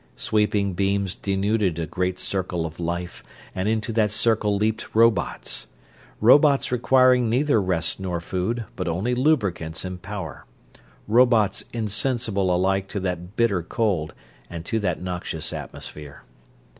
Sweeping beams denuded a great circle of life, and into that circle leaped robots. Robots requiring neither rest nor food, but only lubricants and power; robots insensible alike to that bitter cold and to that noxious atmosphere.